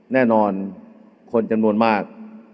แน่นอนคนจำนวนมาก